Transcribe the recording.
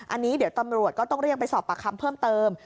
อันนี้เดี๋ยวตำรวจก็ต้องเรียกไปสอบปากคำเพิ่มเติม